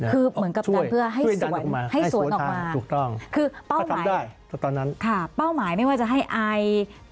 คือเหมือนกับทำเพื่อให้สวนให้สวนออกมาถูกต้องคือเป้าหมายค่ะเป้าหมายไม่ว่าจะให้ไอ